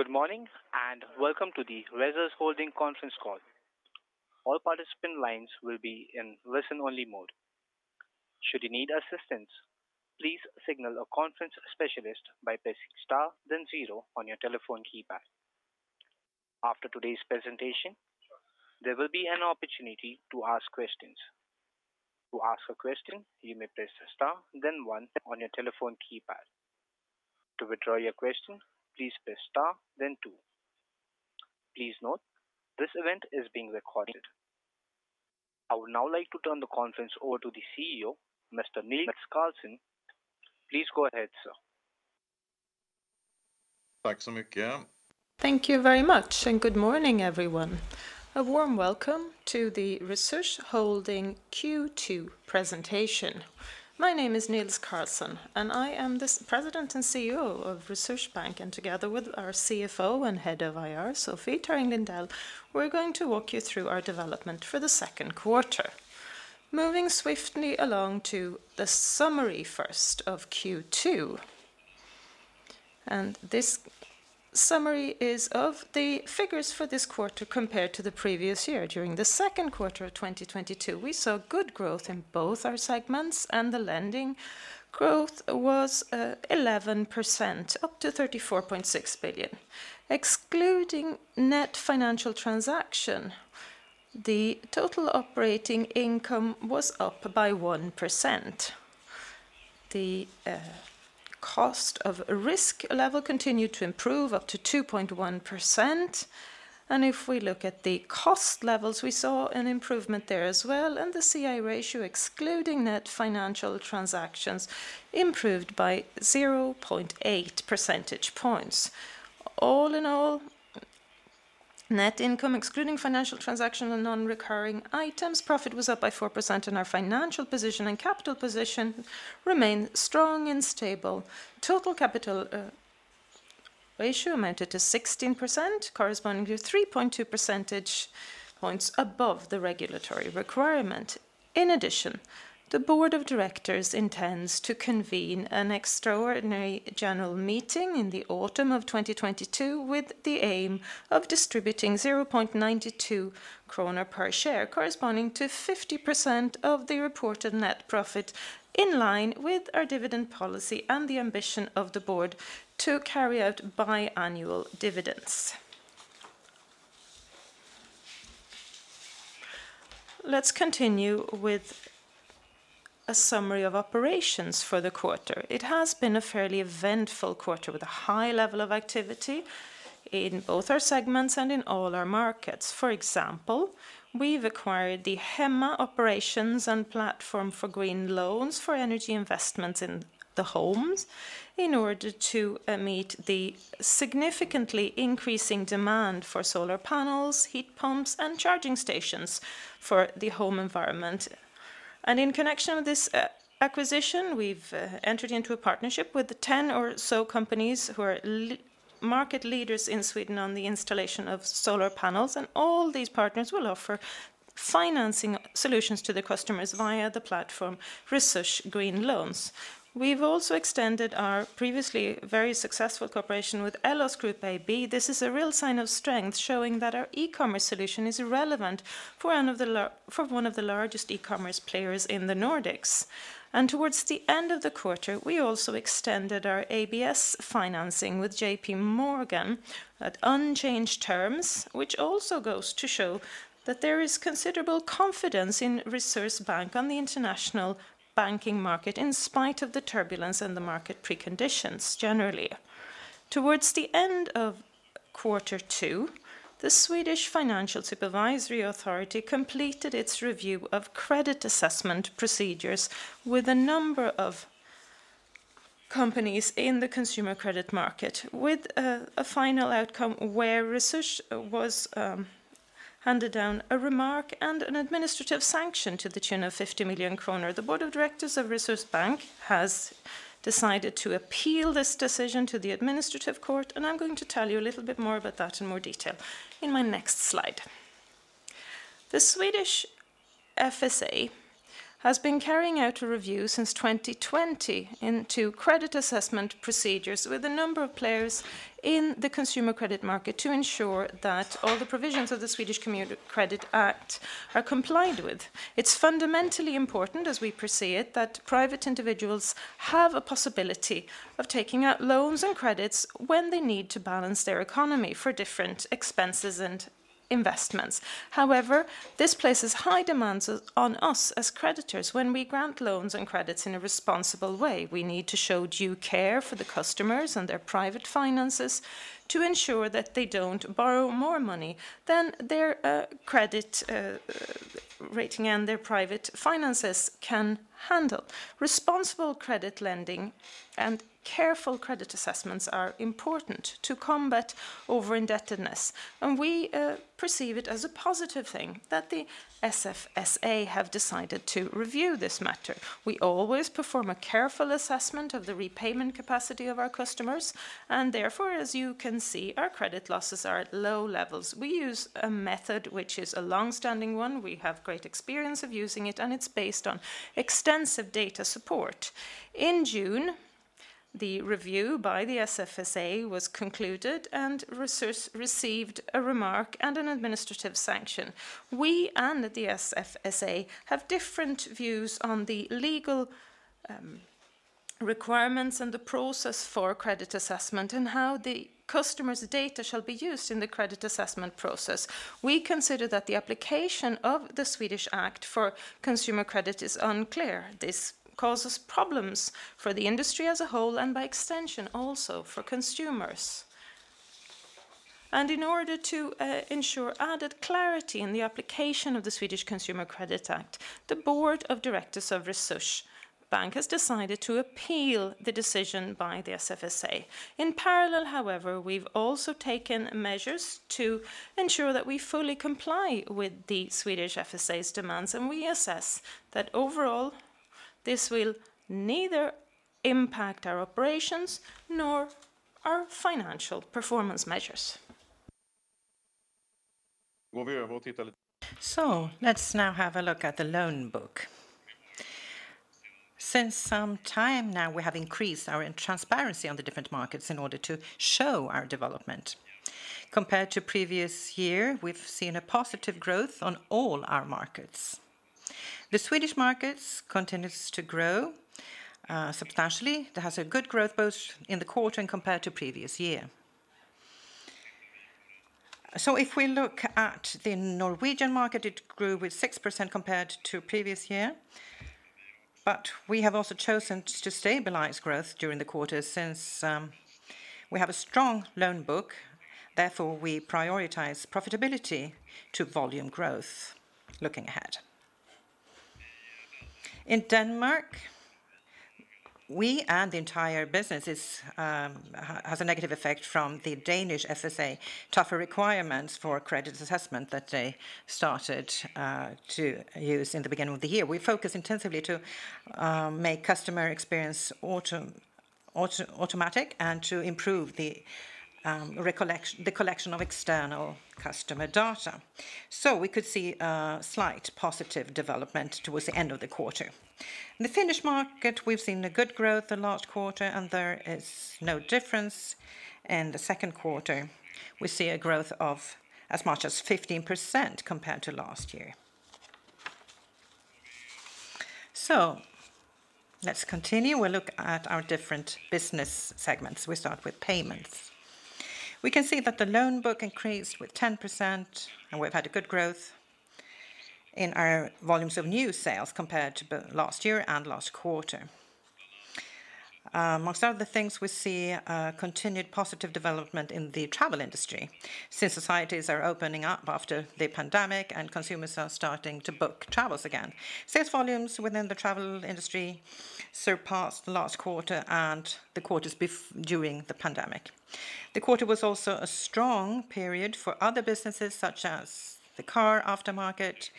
Good morning, and welcome to the Resurs Holding conference call. All participant lines will be in listen-only mode. Should you need assistance, please signal a conference specialist by pressing star then zero on your telephone keypad. After today's presentation, there will be an opportunity to ask questions. To ask a question, you may press star then one on your telephone keypad. To withdraw your question, please press star then two. Please note, this event is being recorded. I would now like to turn the conference over to the CEO, Mr. Nils Carlsson. Please go ahead, sir. Thank you very much, and good morning, everyone. A warm welcome to the Resurs Holding Q2 presentation. My name is Nils Carlsson, and I am the president and CEO of Resurs Bank, and together with our CFO and head of IR, Sofie Tarring Lindell, we're going to walk you through our development for the second quarter. Moving swiftly along to the summary first of Q2. This summary is of the figures for this quarter compared to the previous year. During the second quarter of 2022, we saw good growth in both our segments and the lending growth was 11%, up to 34.6 billion. Excluding net financial transaction, the total operating income was up by 1%. The cost of risk level continued to improve up to 2.1%. If we look at the cost levels, we saw an improvement there as well, and the CI ratio, excluding net financial transactions, improved by 0.8 percentage points. All in all, net income, excluding financial transaction and non-recurring items, profit was up by 4% and our financial position and capital position remain strong and stable. Total capital ratio amounted to 16%, corresponding to 3.2 percentage points above the regulatory requirement. In addition, the board of directors intends to convene an extraordinary general meeting in the autumn of 2022 with the aim of distributing 0.92 kronor per share, corresponding to 50% of the reported net profit in line with our dividend policy and the ambition of the board to carry out biannual dividends. Let's continue with a summary of operations for the quarter. It has been a fairly eventful quarter with a high level of activity in both our segments and in all our markets. For example, we've acquired the Hemma operations and platform for green loans for energy investments in the homes in order to meet the significantly increasing demand for solar panels, heat pumps, and charging stations for the home environment. In connection with this acquisition, we've entered into a partnership with 10 or so companies who are market leaders in Sweden on the installation of solar panels, and all these partners will offer financing solutions to the customers via the platform Resurs Green Loans. We've also extended our previously very successful cooperation with Ellos Group AB. This is a real sign of strength showing that our e-commerce solution is relevant for one of the largest e-commerce players in the Nordics. Towards the end of the quarter, we also extended our ABS financing with JPMorgan at unchanged terms, which also goes to show that there is considerable confidence in Resurs Bank on the international banking market in spite of the turbulence in the market preconditions generally. Towards the end of quarter two, the Swedish Financial Supervisory Authority completed its review of credit assessment procedures with a number of companies in the consumer credit market with a final outcome where Resurs was handed down a remark and an administrative sanction to the tune of 50 million kronor. The board of directors of Resurs Bank has decided to appeal this decision to the administrative court, and I'm going to tell you a little bit more about that in more detail in my next slide. The Swedish FSA has been carrying out a review since 2020 into credit assessment procedures with a number of players in the consumer credit market to ensure that all the provisions of the Swedish Consumer Credit Act are complied with. It's fundamentally important, as we perceive it, that private individuals have a possibility of taking out loans and credits when they need to balance their economy for different expenses and investments. However, this places high demands on us as creditors when we grant loans and credits in a responsible way. We need to show due care for the customers and their private finances to ensure that they don't borrow more money than their credit rating and their private finances can handle. Responsible credit lending and careful credit assessments are important to combat over-indebtedness, and we perceive it as a positive thing that the SFSA have decided to review this matter. We always perform a careful assessment of the repayment capacity of our customers, and therefore, as you can see, our credit losses are at low levels. We use a method which is a long-standing one. We have great experience of using it, and it's based on extensive data support. In June. The review by the SFSA was concluded and Resurs received a remark and an administrative sanction. We and the SFSA have different views on the legal requirements and the process for credit assessment and how the customer's data shall be used in the credit assessment process. We consider that the application of the Swedish Consumer Credit Act is unclear. This causes problems for the industry as a whole and by extension also for consumers. In order to ensure added clarity in the application of the Swedish Consumer Credit Act, the board of directors of Resurs Bank has decided to appeal the decision by the SFSA. In parallel, however, we've also taken measures to ensure that we fully comply with the SFSA's demands, and we assess that overall this will neither impact our operations nor our financial performance measures. Let's now have a look at the loan book. Since some time now we have increased our transparency on the different markets in order to show our development. Compared to previous year, we've seen a positive growth on all our markets. The Swedish markets continues to grow substantially. That has a good growth both in the quarter and compared to previous year. If we look at the Norwegian market, it grew with 6% compared to previous year. We have also chosen to stabilize growth during the quarter since we have a strong loan book, therefore we prioritize profitability to volume growth looking ahead. In Denmark, we and the entire business is has a negative effect from the Danish FSA tougher requirements for credit assessment that they started to use in the beginning of the year. We focus intensively to make customer experience automatic and to improve the collection of external customer data. We could see a slight positive development towards the end of the quarter. In the Finnish market, we've seen a good growth the last quarter and there is no difference. In the second quarter, we see a growth of as much as 15% compared to last year. Let's continue. We'll look at our different business segments. We start with payments. We can see that the loan book increased with 10% and we've had a good growth in our volumes of new sales compared to last year and last quarter. Among other things, we see a continued positive development in the travel industry since societies are opening up after the pandemic and consumers are starting to book travels again. Sales volumes within the travel industry surpassed the last quarter and the quarters during the pandemic. The quarter was also a strong period for other businesses such as the car aftermarket,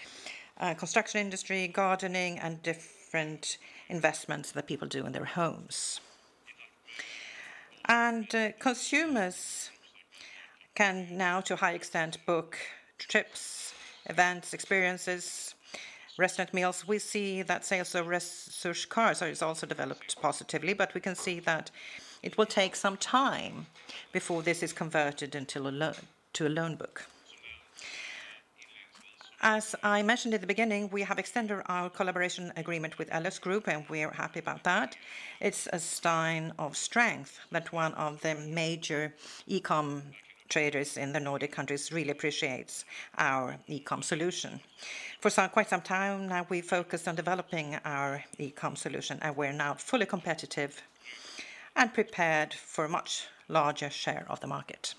construction industry, gardening, and different investments that people do in their homes. Consumers can now to a high extent book trips, events, experiences, restaurant meals. We see that sales of Resurs Cards has also developed positively, but we can see that it will take some time before this is converted to a loan book. As I mentioned at the beginning, we have extended our collaboration agreement with Ellos Group, and we're happy about that. It's a sign of strength that one of the major e-com traders in the Nordic countries really appreciates our e-com solution. For some quite some time now we focused on developing our e-com solution, and we're now fully competitive and prepared for a much larger share of the market.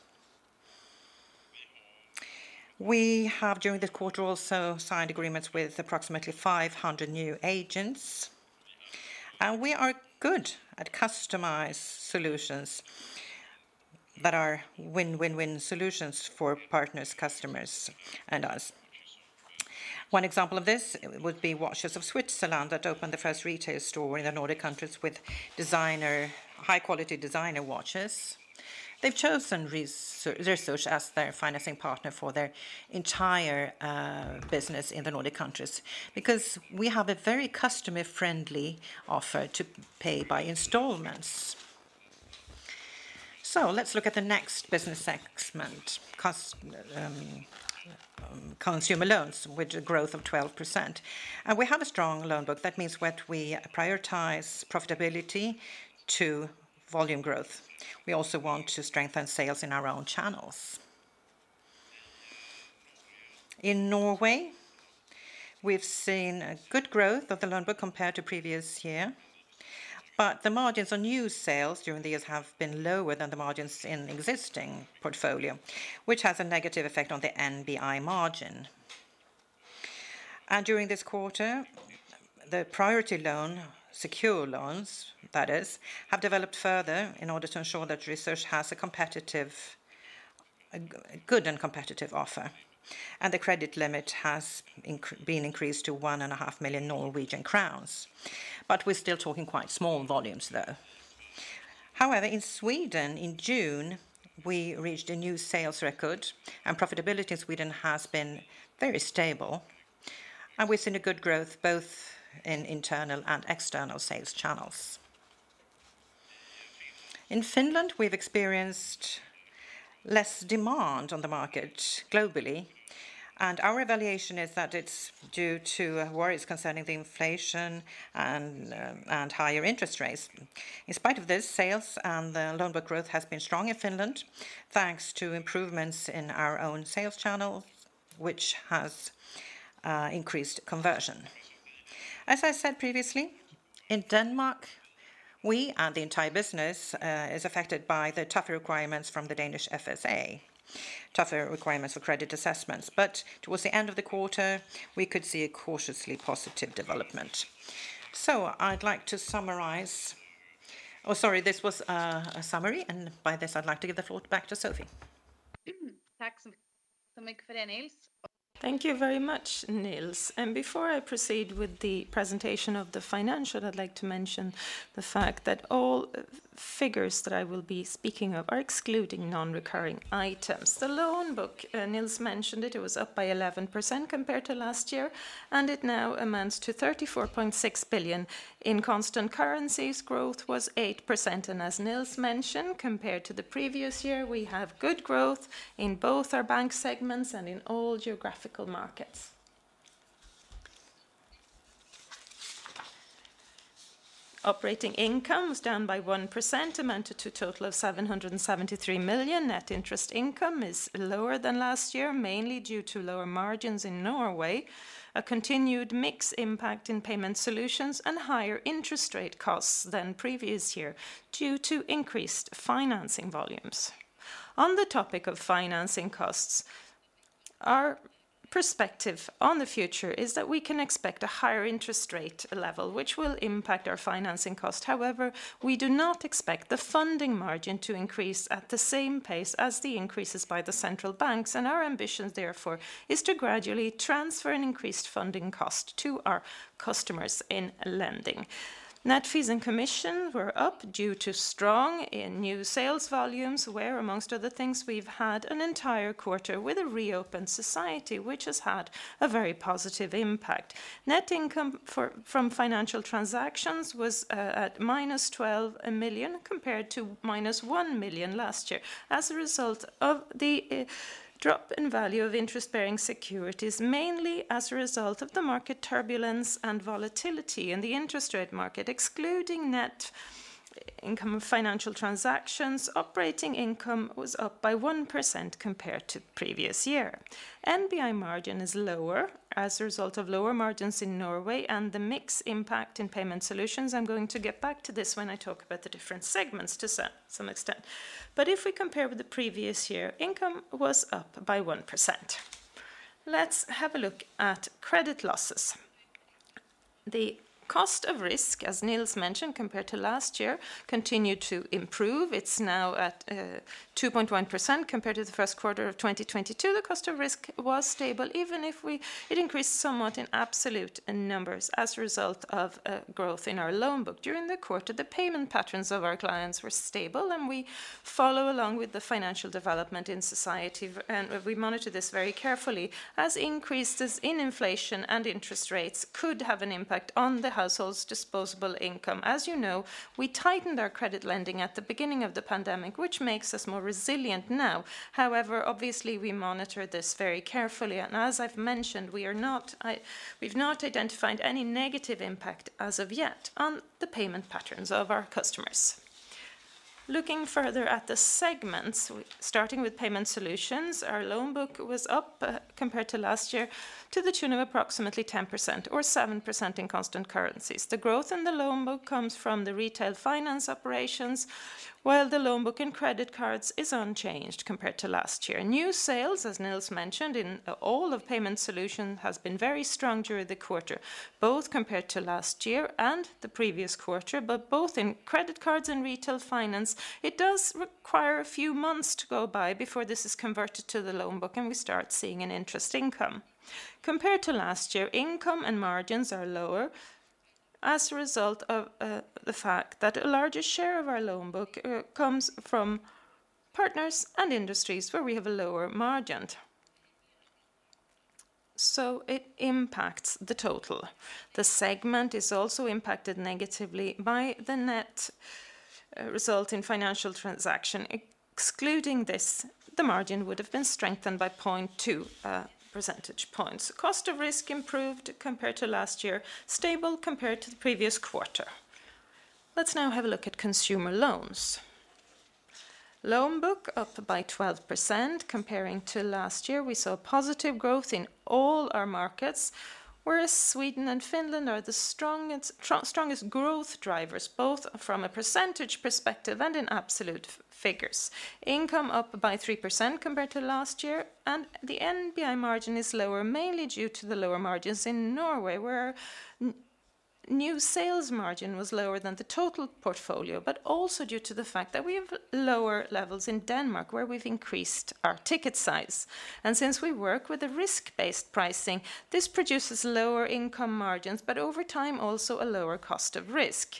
We have during this quarter also signed agreements with approximately 500 new agents, and we are good at customized solutions that are win-win-win solutions for partners, customers, and us. One example of this would be Watches of Switzerland that opened the first retail store in the Nordic countries with high-quality designer watches. They've chosen Resurs as their financing partner for their entire business in the Nordic countries because we have a very customer-friendly offer to pay by installments. Let's look at the next business segment, consumer loans with a growth of 12%. We have a strong loan book. That means what we prioritize profitability to volume growth. We also want to strengthen sales in our own channels. In Norway, we've seen a good growth of the loan book compared to previous year, but the margins on new sales during the years have been lower than the margins in existing portfolio, which has a negative effect on the NBI margin. During this quarter, the Priority Loan, secured loans that is, have developed further in order to ensure that Resurs has a good and competitive offer. The credit limit has been increased to 1.5 million Norwegian crowns. But we're still talking quite small volumes though. However, in Sweden, in June, we reached a new sales record and profitability in Sweden has been very stable. We've seen a good growth both in internal and external sales channels. In Finland, we've experienced less demand on the market globally, and our evaluation is that it's due to worries concerning the inflation and higher interest rates. In spite of this, sales and the loan book growth has been strong in Finland, thanks to improvements in our own sales channel, which has increased conversion. As I said previously, in Denmark, we and the entire business is affected by the tougher requirements from the Danish FSA. Tougher requirements for credit assessments. Towards the end of the quarter, we could see a cautiously positive development. I'd like to summarize. Oh, sorry, this was a summary, and by this, I'd like to give the floor back to Sofie. Thank you very much, Nils. Before I proceed with the presentation of the financial, I'd like to mention the fact that all figures that I will be speaking of are excluding non-recurring items. The loan book, Nils mentioned it was up by 11% compared to last year, and it now amounts to 34.6 billion. In constant currencies, growth was 8%. As Nils mentioned, compared to the previous year, we have good growth in both our bank segments and in all geographical markets. Operating income was down by 1%, amounted to a total of 773 million. Net interest income is lower than last year, mainly due to lower margins in Norway, a continued mixed impact in Payment Solutions, and higher interest rate costs than previous year due to increased financing volumes. On the topic of financing costs, our perspective on the future is that we can expect a higher interest rate level, which will impact our financing cost. However, we do not expect the funding margin to increase at the same pace as the increases by the central banks. Our ambition therefore is to gradually transfer an increased funding cost to our customers in lending. Net fees and commission were up due to strong increase in new sales volumes, where among other things, we've had an entire quarter with a reopened society, which has had a very positive impact. Net income from financial transactions was at -12 million compared to -1 million last year as a result of the drop in value of interest-bearing securities, mainly as a result of the market turbulence and volatility in the interest rate market Excluding net income of financial transactions, operating income was up by 1% compared to previous year. NBI margin is lower as a result of lower margins in Norway and the mixed impact in Payment Solutions. I'm going to get back to this when I talk about the different segments to some extent. If we compare with the previous year, income was up by 1%. Let's have a look at credit losses. The cost of risk, as Nils mentioned, compared to last year, continued to improve. It's now at 2.1% compared to the first quarter of 2022. The cost of risk was stable, it increased somewhat in absolute numbers as a result of growth in our loan book. During the quarter, the payment patterns of our clients were stable, and we follow along with the financial development in society and we monitor this very carefully, as increases in inflation and interest rates could have an impact on the household's disposable income. As you know, we tightened our credit lending at the beginning of the pandemic, which makes us more resilient now. However, obviously, we monitor this very carefully. As I've mentioned, we've not identified any negative impact as of yet on the payment patterns of our customers. Looking further at the segments, starting with Payment Solutions, our loan book was up compared to last year to the tune of approximately 10% or 7% in constant currencies. The growth in the loan book comes from the retail finance operations, while the loan book in credit cards is unchanged compared to last year. New sales, as Nils mentioned, in all of payment solutions has been very strong during the quarter, both compared to last year and the previous quarter. Both in credit cards and retail finance, it does require a few months to go by before this is converted to the loan book and we start seeing an interest income. Compared to last year, income and margins are lower as a result of the fact that a larger share of our loan book comes from partners and industries where we have a lower margin. It impacts the total. The segment is also impacted negatively by the net result in financial transactions. Excluding this, the margin would have been strengthened by 0.2 percentage points. Cost of risk improved compared to last year, stable compared to the previous quarter. Let's now have a look at Consumer Loan. Loan book up by 12% compared to last year. We saw positive growth in all our markets, whereas Sweden and Finland are the strongest growth drivers, both from a percentage perspective and in absolute figures. Income up by 3% compared to last year, and the NBI margin is lower, mainly due to the lower margins in Norway, where new sales margin was lower than the total portfolio. Also due to the fact that we have lower levels in Denmark, where we've increased our ticket size. Since we work with a risk-based pricing, this produces lower income margins, but over time, also a lower cost of risk.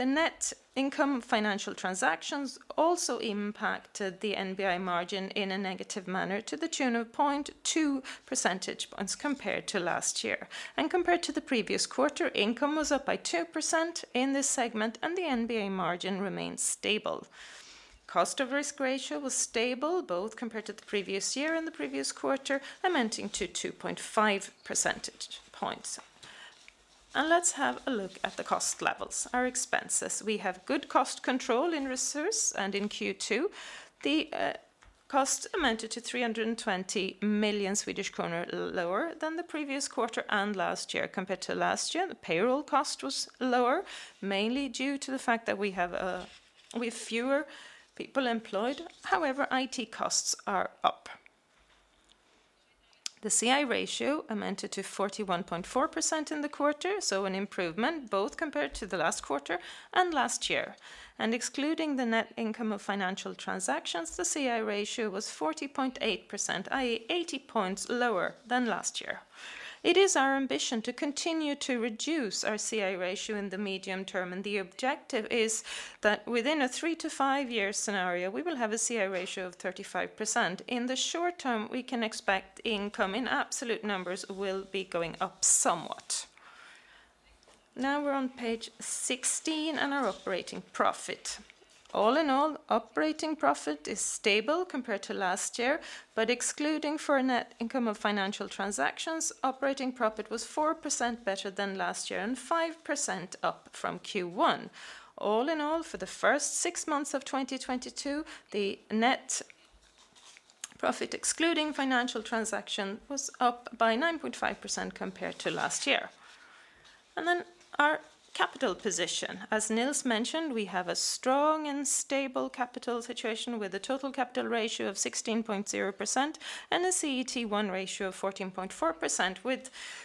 The net income from financial transactions also impacted the NBI margin in a negative manner to the tune of 0.2 percentage points compared to last year. Compared to the previous quarter, income was up by 2% in this segment, and the NBI margin remains stable. Cost of risk ratio was stable both compared to the previous year and the previous quarter amounting to 2.5 percentage points. Let's have a look at the cost levels, our expenses. We have good cost control in Resurs and in Q2 the cost amounted to 320 million Swedish kronor lower than the previous quarter and last year. Compared to last year, the payroll cost was lower, mainly due to the fact that we have fewer people employed. However, IT costs are up. The CI ratio amounted to 41.4% in the quarter, so an improvement both compared to the last quarter and last year. Excluding the net income of financial transactions, the CI ratio was 40.8%, i.e., 80 points lower than last year. It is our ambition to continue to reduce our CI ratio in the medium term, and the objective is that within a 3- to 5-year scenario, we will have a CI ratio of 35%. In the short term, we can expect income in absolute numbers will be going up somewhat. Now we're on page 16 and our operating profit. All in all, operating profit is stable compared to last year, but excluding the net income of financial transactions, operating profit was 4% better than last year and 5% up from Q1. All in all, for the first six months of 2022, the net profit excluding financial transaction was up by 9.5% compared to last year. Our capital position. As Nils mentioned, we have a strong and stable capital situation with a total capital ratio of 16.0% and a CET1 ratio of 14.4%,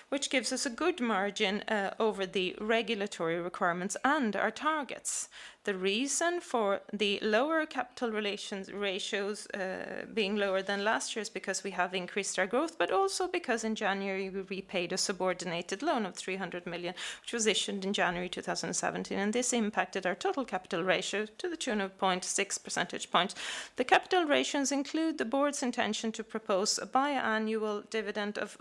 which gives us a good margin over the regulatory requirements and our targets. The reason for the lower capital ratios being lower than last year is because we have increased our growth, but also because in January we repaid a subordinated loan of 300 million, which was issued in January 2017, and this impacted our total capital ratio to the tune of 0.6 percentage points. The capital ratios include the board's intention to propose a biannual dividend of,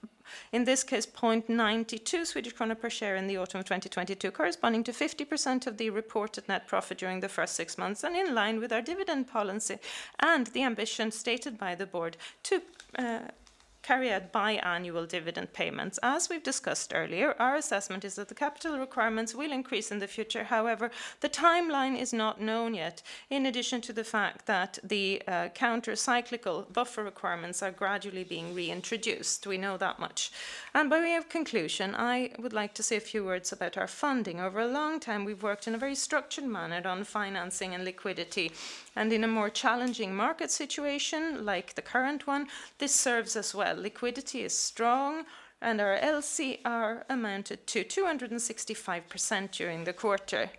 in this case, 0.92 Swedish kronor per share in the autumn of 2022, corresponding to 50% of the reported net profit during the first six months and in line with our dividend policy and the ambition stated by the board to carry out biannual dividend payments. As we've discussed earlier, our assessment is that the capital requirements will increase in the future. However, the timeline is not known yet, in addition to the fact that the counter-cyclical buffer requirements are gradually being reintroduced. We know that much. By way of conclusion, I would like to say a few words about our funding. Over a long time, we've worked in a very structured manner on financing and liquidity, and in a more challenging market situation like the current one, this serves us well. Liquidity is strong and our LCR amounted to 265% during the quarter.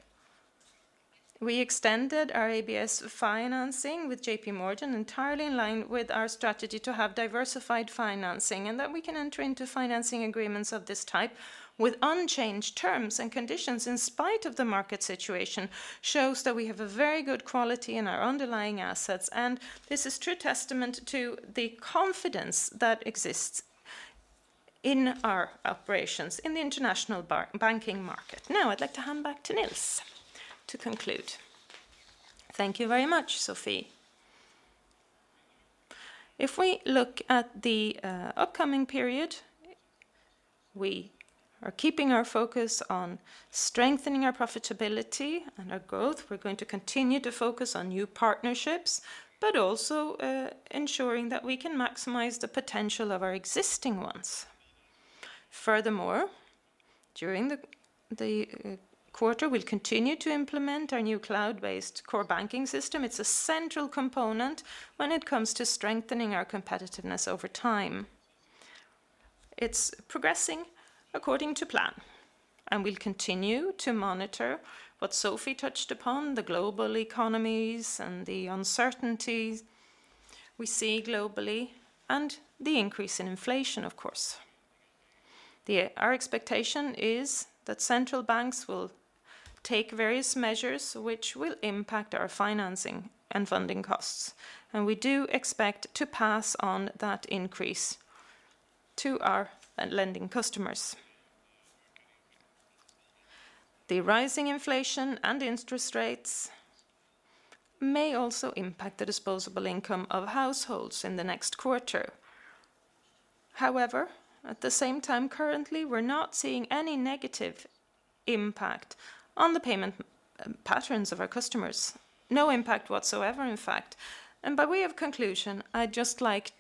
We extended our ABS financing with JPMorgan entirely in line with our strategy to have diversified financing, and that we can enter into financing agreements of this type with unchanged terms and conditions in spite of the market situation shows that we have a very good quality in our underlying assets, and this is true testament to the confidence that exists in our operations in the international capital markets. Now I'd like to hand back to Nils to conclude. Thank you very much, Sofie. If we look at the upcoming period, we are keeping our focus on strengthening our profitability and our growth. We're going to continue to focus on new partnerships, but also ensuring that we can maximize the potential of our existing ones. Furthermore, during the quarter, we'll continue to implement our new cloud-based core banking system. It's a central component when it comes to strengthening our competitiveness over time. It's progressing according to plan, and we'll continue to monitor what Sofie touched upon, the global economies and the uncertainty we see globally and the increase in inflation, of course. Our expectation is that central banks will take various measures which will impact our financing and funding costs, and we do expect to pass on that increase to our lending customers. The rising inflation and interest rates may also impact the disposable income of households in the next quarter. However, at the same time, currently, we're not seeing any negative impact on the payment patterns of our customers. No impact whatsoever, in fact. By way of conclusion, I'd just like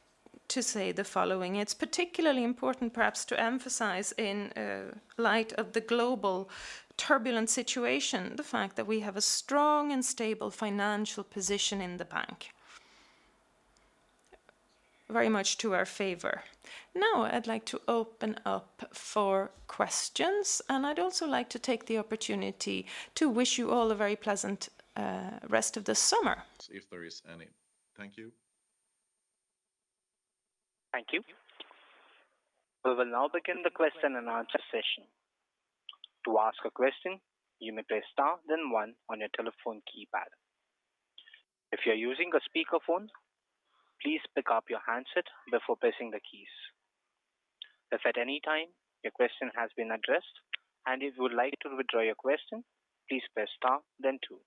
to say the following: It's particularly important perhaps to emphasize in light of the global turbulent situation the fact that we have a strong and stable financial position in the bank. Very much to our favor. Now I'd like to open up for questions, and I'd also like to take the opportunity to wish you all a very pleasant rest of the summer. If there is any. Thank you. Thank you. We will now begin the question and answer session. To ask a question, you may press star then one on your telephone keypad. If you are using a speakerphone, please pick up your handset before pressing the keys. If at any time your question has been addressed, and if you would like to withdraw your question, please press star then two.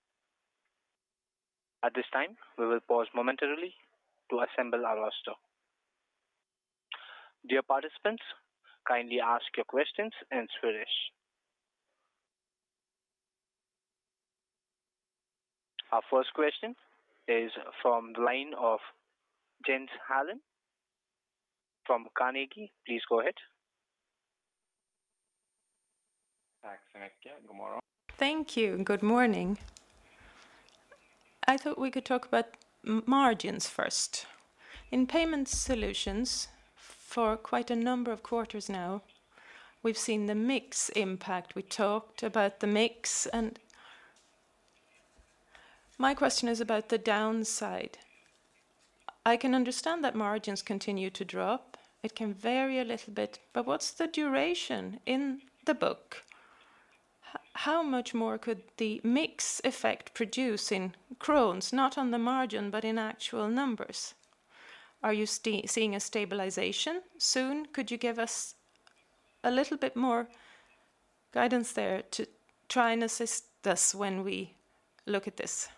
At this time, we will pause momentarily to assemble our roster. Dear participants, kindly ask your questions in Swedish. Our first question is from the line of Jens Hallén from Carnegie. Please go ahead. Thank you. Good morning. I thought we could talk about margins first. In payment solutions for quite a number of quarters now, we've seen the mix impact. We talked about the mix, and my question is about the downside. I can understand that margins continue to drop. It can vary a little bit, but what's the duration in the book? How much more could the mix effect produce in kronor? Not on the margin, but in actual numbers. Are you seeing a stabilization soon? Could you give us a little bit more guidance there to try and assist us when we look at this?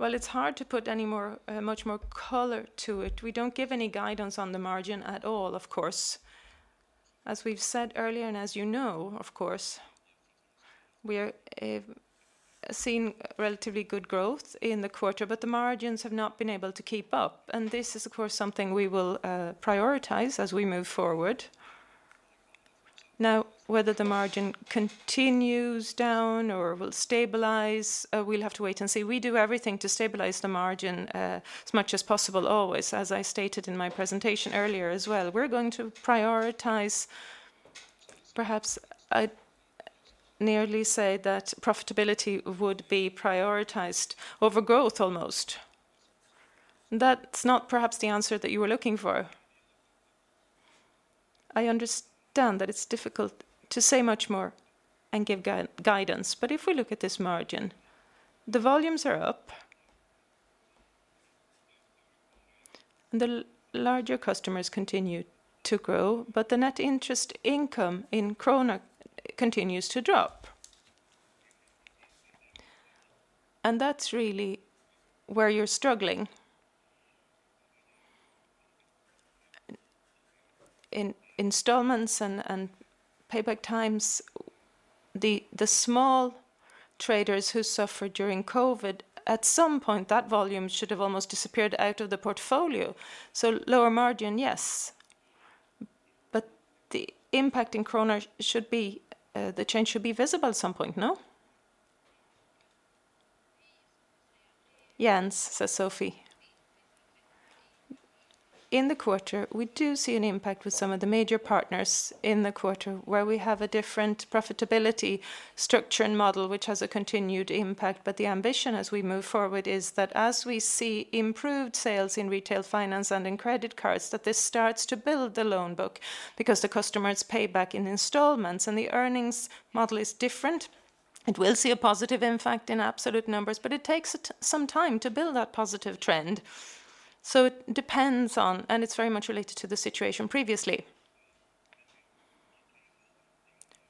Well, it's hard to put any more, much more color to it. We don't give any guidance on the margin at all, of course. As we've said earlier, and as you know, of course, we are seeing relatively good growth in the quarter, but the margins have not been able to keep up, and this is of course something we will prioritize as we move forward. Now, whether the margin continues down or will stabilize, we'll have to wait and see. We do everything to stabilize the margin as much as possible always, as I stated in my presentation earlier as well. We're going to prioritize perhaps I'd nearly say that profitability would be prioritized over growth almost. That's not perhaps the answer that you were looking for. I understand that it's difficult to say much more and give guidance, but if we look at this margin, the volumes are up, and the larger customers continue to grow, but the net interest income in krona continues to drop. That's really where you're struggling. In installments and payback times, the small traders who suffered during COVID, at some point, that volume should have almost disappeared out of the portfolio. Lower margin, yes, but the impact in kroner should be, the change should be visible at some point, no? Jens says Sofie. In the quarter, we do see an impact with some of the major partners in the quarter where we have a different profitability structure and model, which has a continued impact. The ambition as we move forward is that as we see improved sales in retail finance and in credit cards, that this starts to build the loan book because the customers pay back in installments, and the earnings model is different. It will see a positive impact in absolute numbers, but it takes some time to build that positive trend. It depends on, and it's very much related to the situation previously.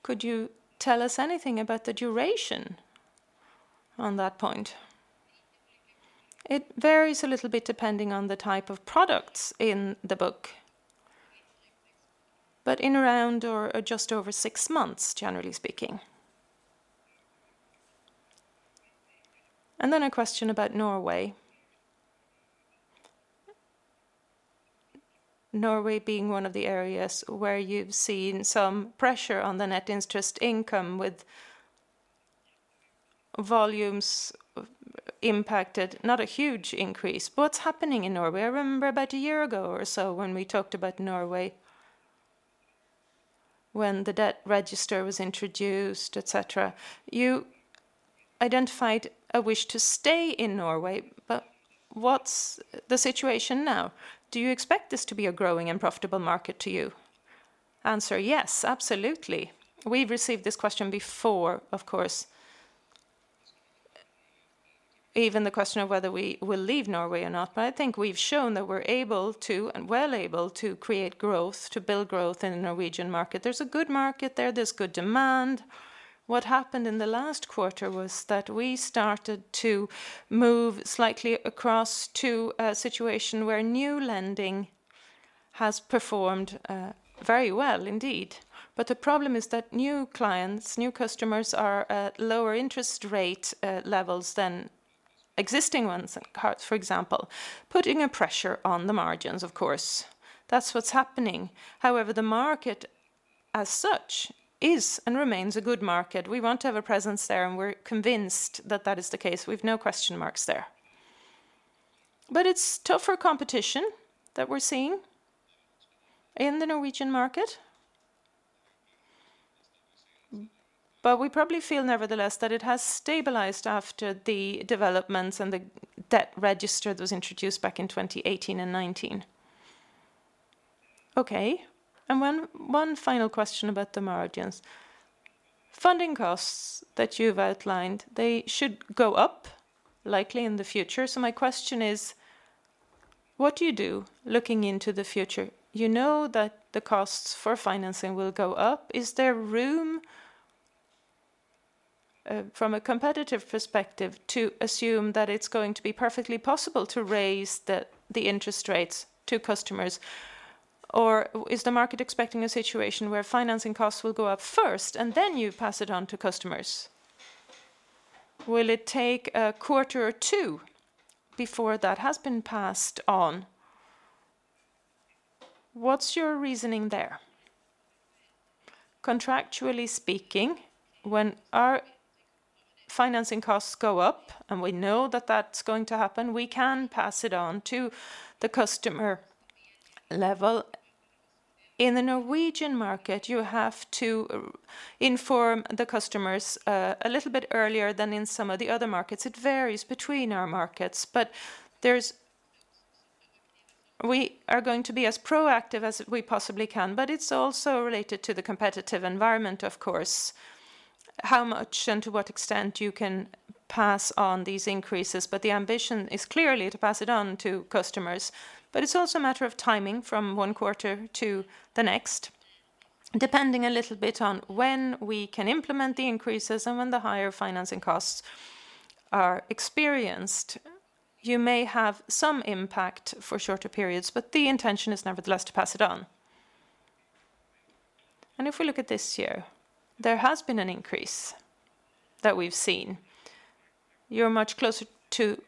Could you tell us anything about the duration on that point? It varies a little bit depending on the type of products in the book. In around or just over six months, generally speaking. A question about Norway. Norway being one of the areas where you've seen some pressure on the net interest income with volumes impacted, not a huge increase. What's happening in Norway? I remember about a year ago or so when we talked about Norway, when the debt register was introduced, et cetera, you identified a wish to stay in Norway, but what's the situation now? Do you expect this to be a growing and profitable market to you? Answer, yes, absolutely. We've received this question One final question about the margins. Funding costs that you've outlined, they should go up likely in the future. My question is, what do you do looking into the future? You know that the costs for financing will go up. Is there room, from a competitive perspective to assume that it's going to be perfectly possible to raise the interest rates to customers? Or is the market expecting a situation where financing costs will go up first and then you pass it on to customers? Will it take a quarter or two before that has been passed on? What's your reasoning there? Contractually speaking, when our financing costs go up, and we know that that's going to happen, we can pass it on to the customer level. In the Norwegian market, you have to re-inform the customers a little bit earlier than in some of the other markets. It varies between our markets, but we are going to be as proactive as we possibly can, but it's also related to the competitive environment, of course, how much and to what extent you can pass on these increases. The ambition is clearly to pass it on to customers. It's also a matter of timing from one quarter to the next, depending a little bit on when we can implement the increases and when the higher financing costs are experienced. You may have some impact for shorter periods, but the intention is nevertheless to pass it on. If we look at this year, there has been an increase that we've seen. You're much closer to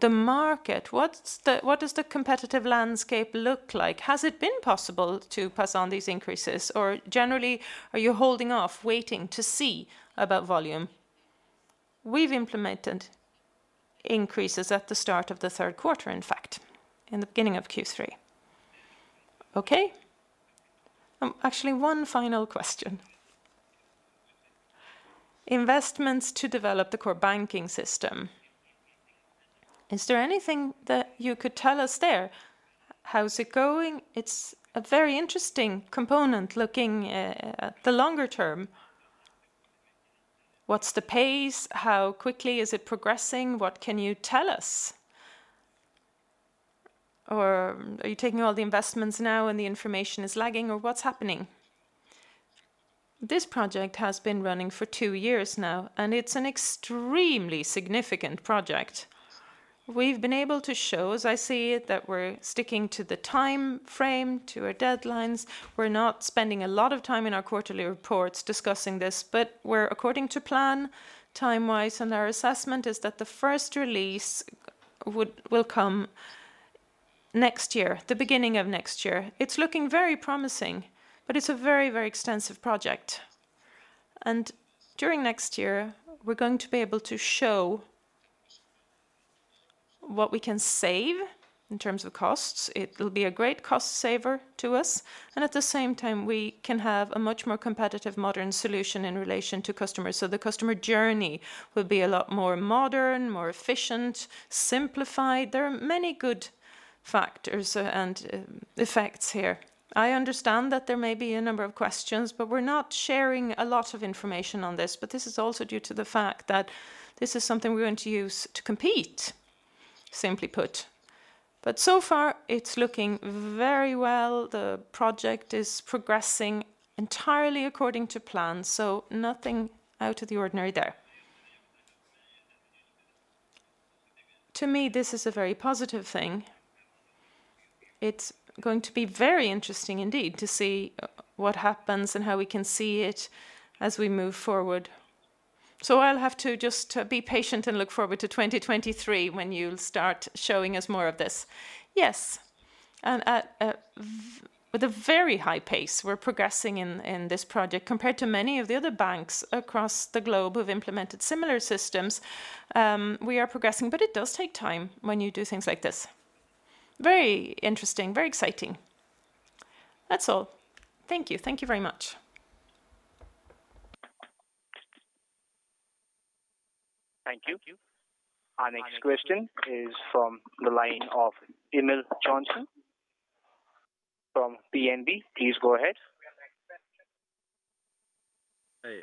the market. What does the competitive landscape look like? Has it been possible to pass on these increases, or generally, are you holding off waiting to see about volume? We've implemented increases at the start of the third quarter, in fact, in the beginning of Q3. Okay. Actually, one final question. Investments to develop the core banking system. Is there anything that you could tell us there? How is it going? It's a very interesting component looking at the longer term. What's the pace? How quickly is it progressing? simply put. So far, it's looking very well. The project is progressing entirely according to plan, so nothing out of the ordinary there. To me, this is a very positive thing. It's going to be very interesting indeed to see what happens and how we can see it as we move forward. I'll have to just be patient and look forward to 2023 when you'll start showing us more of this. Yes. At a very high pace we're progressing in this project compared to many of the other banks across the globe who've implemented similar systems. We are progressing, but it does take time when you do things like this. Very interesting. Very exciting. That's all. Thank you. Thank you very much. Thank you. Our next question is from the line of Emil Jonsson from DNB. Please go ahead. Hey.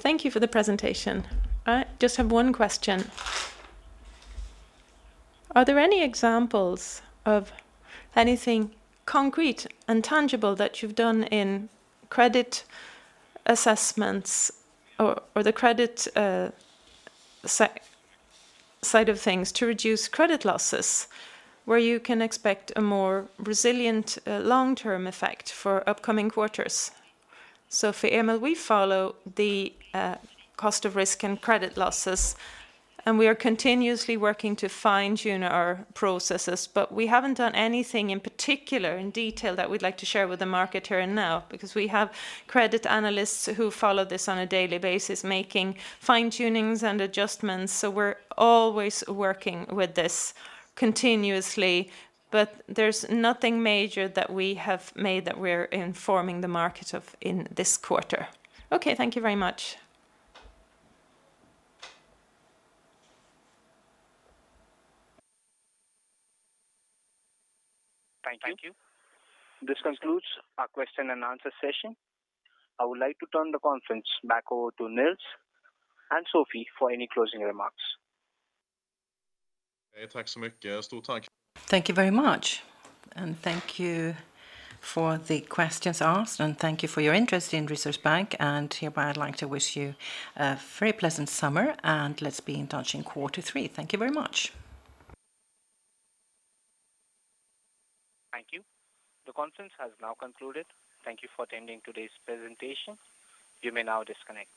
Thanks for the presentation. I just have one question. Are there any examples of anything concrete and tangible that you've done in credit assessments or the credit side of things to reduce credit losses where you can expect a more resilient long-term effect for upcoming quarters? For Emil Jonsson, we follow the cost of risk and credit losses, and we are continuously working to fine-tune our processes. But we haven't done anything in particular in detail that we'd like to share with the market here and now because we have credit analysts who follow this on a daily basis making fine-tunings and adjustments. We're always working with this continuously, but there's nothing major that we have made that we're informing the market of in this quarter. Okay. Thank you very much. Thank you. This concludes our question and answer session. I would like to turn the conference back over to Nils and Sofie for any closing remarks. Thank you very much. Thank you for the questions asked, and thank you for your interest in Resurs Bank. Hereby, I'd like to wish you a very pleasant summer, and let's be in touch in quarter three. Thank you very much. Thank you. The conference has now concluded. Thank you for attending today's presentation. You may now disconnect.